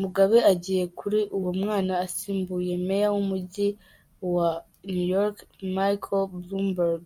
Mugabe agiye kuri uwo mwana asimbuye Meya w’Umujyi wa New York, Michael Bloomberg.